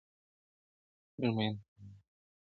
موږ مین په رڼا ګانو؛ خدای راکړی دا نعمت دی-